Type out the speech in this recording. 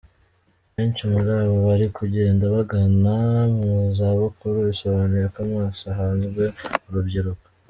Benshi muri aba bari kugenda bagana mu za bukuru bisobanuye ko amaso ahanzwe urubyiruko.